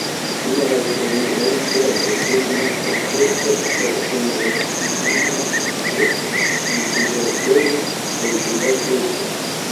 Unuaj premioj ĉe la desegna konkurso por kongres-insigno de Antverpeno kaj Budapeŝto.